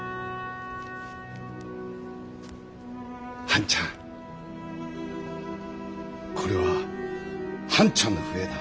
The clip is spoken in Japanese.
半ちゃんこれは半ちゃんの笛だ。